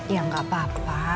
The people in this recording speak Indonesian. ya gak apa apa